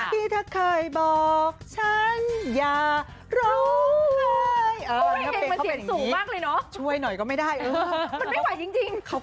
ที่เธอเคยบอกฉันอย่ารู้ไง